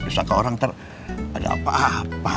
ntar orang ntar tanya apa apa